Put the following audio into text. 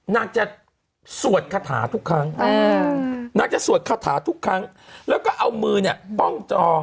นางจะสวดคาถาทุกครั้งนางจะสวดคาถาทุกครั้งแล้วก็เอามือเนี่ยป้องจอ